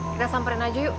kita samperin aja yuk